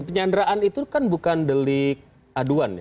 penyanderaan itu kan bukan delik aduan ya